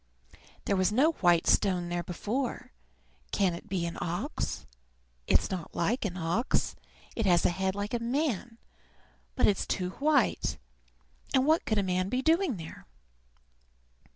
"There was no white stone here before. Can it be an ox? It's not like an ox. It has a head like a man, but it's too white; and what could a man be doing there?"